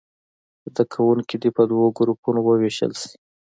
زده کوونکي دې په دوو ګروپونو ووېشل شي.